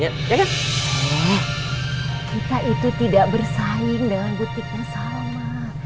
eh kita itu tidak bersaing dengan butiknya salma